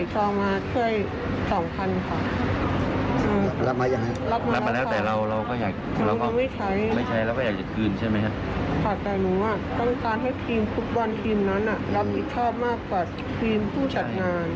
คุณนั้นน่ะรับมีความรับความรับมากกว่าที่คุณผู้จัดงาน